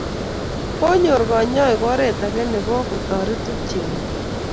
Konyoor kanyoiik oret age nebo kotoret tupcheng'ung'.